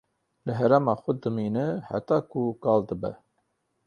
Li herêma xwe dimîne heta ku kal dibe.